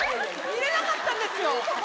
見れなかったんですよ。